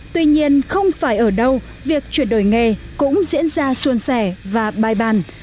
tuy nhiên không phải ở đâu việc chuyển đổi nghề cũng diễn ra xuân sẻ và bài bàn